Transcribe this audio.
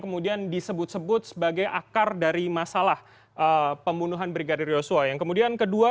kemudian disebut sebut sebagai akar dari masalah pembunuhan brigadir yosua yang kemudian kedua